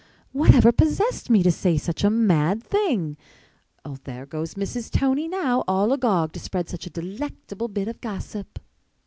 Whatever possessed me to say such a mad thing? There goes Mrs. Tony now, all agog to spread such a delectable bit of gossip."